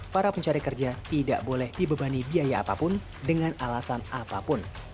para pencari kerja tidak boleh dibebani biaya apapun dengan alasan apapun